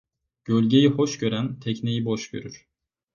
Gölgeyi hoş gören tekneyi boş görür.